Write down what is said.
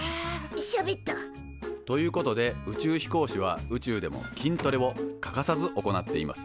しゃべった。ということで宇宙飛行士は宇宙でも筋トレを欠かさず行っています。